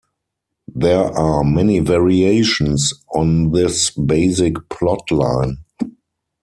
There are many variations on this basic plotline.